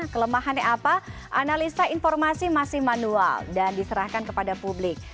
kelemahannya apa analisa informasi masih manual dan diserahkan kepada publik